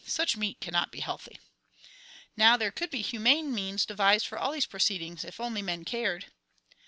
Such meat cannot be healthy. "Now there could be humane means devised for all these proceedings if only men cared."